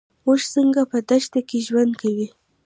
اوښ څنګه په دښته کې ژوند کوي؟